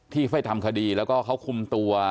ที่ไปทำคดีแล้วก็เขาคุมตัว